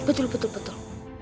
betul betul betul